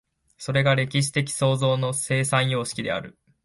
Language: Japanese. それが歴史的創造の生産様式である。